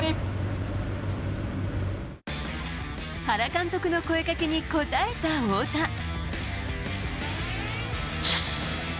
原監督の声かけに応えた太田。